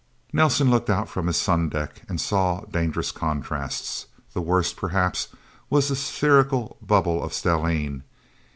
Nelsen looked out from his sundeck, and saw dangerous contrasts. The worst, perhaps, was a spherical bubble of stellene.